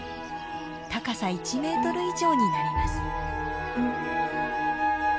高さ１メートル以上になります。